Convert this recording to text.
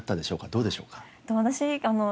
どうでしょうか？